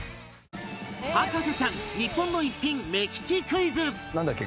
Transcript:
『博士ちゃん』日本の逸品目利きクイズなんだっけ？